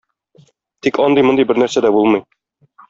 Тик андый-мондый бернәрсә дә булмый.